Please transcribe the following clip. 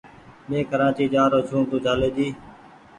مينٚ ڪراچي جآرو ڇوٚنٚ تو چاليٚ جي